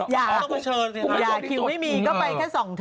อย่าคิวไม่มีก็ไปแค่๒เทปซะได้